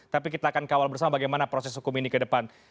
tapi kita akan kawal bersama bagaimana proses hukum ini ke depan